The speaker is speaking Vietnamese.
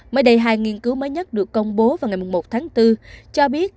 mới đây hai nghiên cứu mới nhất được công bố vào ngày một tháng bốn cho biết